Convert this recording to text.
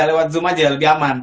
lewat zoom aja lebih aman